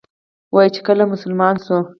وایي چې کله مسلمان شو.